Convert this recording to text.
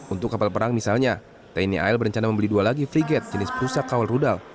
untuk kapal perang misalnya tni al berencana membeli dua lagi frigate jenis pusakawal rudal